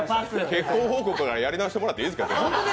結婚報告からやり直してもらっていいですか。